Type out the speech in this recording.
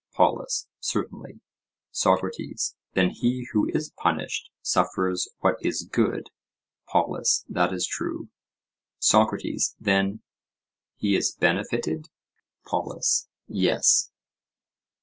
POLUS: Certainly. SOCRATES: Then he who is punished suffers what is good? POLUS: That is true. SOCRATES: Then he is benefited? POLUS: Yes.